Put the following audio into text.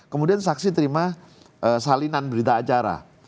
kemudian saksi terima salinan berita acara